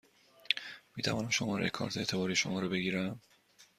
می توانم شماره کارت اعتباری شما را بگیرم؟